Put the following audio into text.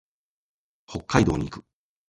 北海道に行く。